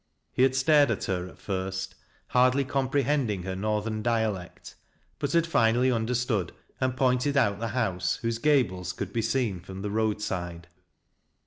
He had stared at her at first, hardly comprehending her northern dialect, but had finally understood and pointed out the house, whose gables could be seen from the road side.